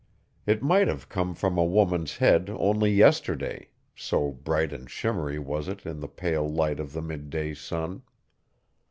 It might have come from a woman's head only yesterday, so bright and shimmery was it in the pale light of the midday sun.